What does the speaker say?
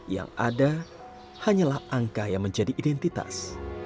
yang ada hanyalah angka yang menjadi identitas